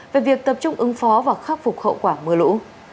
về việc tập trung ứng phó và khắc phục hậu quả mưa lũ